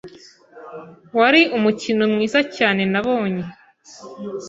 Wari umukino mwiza cyane nabonye.